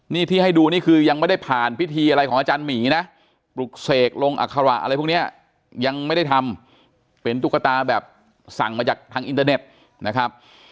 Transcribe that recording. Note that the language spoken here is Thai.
นี่ที่ให้ดูนี่คือยังไม่ได้ผ่านพิธีอะไรของอาจารย์หมีนะปลุกเสกลงอัคระอะไรพวกนี้ยังไม่ได้ทำเป็นตุ๊กตาแบบสั่งมาจากทางอินเตอร์เน็ตนะครับ